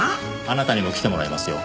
あなたにも来てもらいますよ。